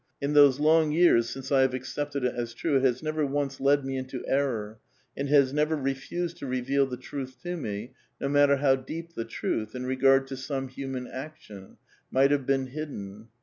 In those long years since I have accepted it as true, it has never once led me into error, and it has never refused to reveal the truth to me, no matter how deep the tmth, in regard to some human action, might have been hidden.